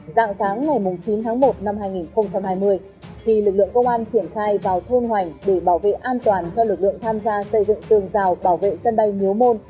dạng sáng ngày chín tháng một năm hai nghìn hai mươi khi lực lượng công an triển khai vào thôn hoành để bảo vệ an toàn cho lực lượng tham gia xây dựng tường rào bảo vệ sân bay miếu môn